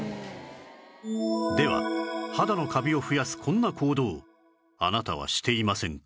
では肌のカビを増やすこんな行動あなたはしていませんか？